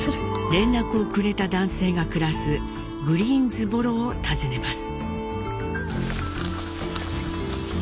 連絡をくれた男性が暮らすグリーンズボロを訪ねます。